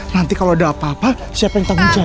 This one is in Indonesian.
nanti kalau ada apa apa siapa yang tanggung jawab